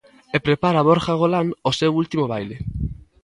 E prepara Borja Golán o seu último baile.